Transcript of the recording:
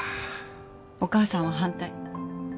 お母さんは反対。